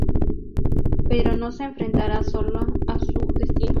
Pero no se enfrentará sola a su destino.